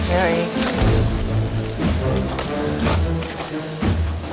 bos ada masalah bos